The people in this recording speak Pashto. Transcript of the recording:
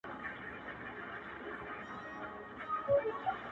څارنوال ته پلار ویله دروغجنه,